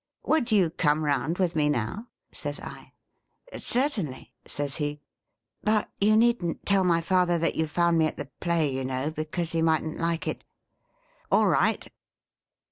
'Would you come round with me now V says I. ' Certainly,' says he, ' but you needn't tell my father that you found me at the play, you know, because he mightn't like it.' ' All right